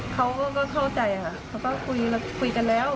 เขาก็เข้าใจค่ะเขาก็คุยกันแล้ว